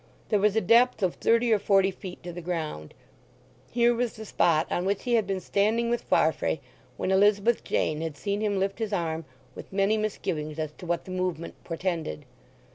There was a depth of thirty or forty feet to the ground; here was the spot on which he had been standing with Farfrae when Elizabeth Jane had seen him lift his arm, with many misgivings as to what the movement portended.